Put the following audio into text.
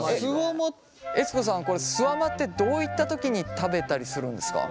悦子さんこれすわまってどういった時に食べたりするんですか？